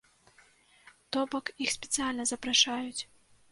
То бок, іх спецыяльна запрашаюць.